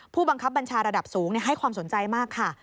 ผู้บังคับบัญชาระดับสูงให้ความสนใจมากค่ะ